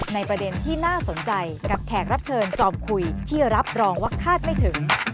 ประเด็นที่น่าสนใจกับแขกรับเชิญจอมคุยที่รับรองว่าคาดไม่ถึง